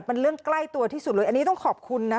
เป็นเรื่องใกล้ตัวที่สุดเลยอันนี้ต้องขอบคุณนะ